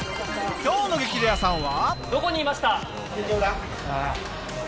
今日の『激レアさん』は。